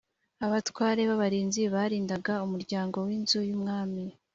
abatware b’abarinzi barindaga umuryango w’inzu y’umwami